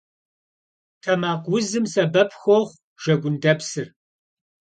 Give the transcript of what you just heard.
Тэмакъ узым сэбэп хуохъу жэгундэпсыр.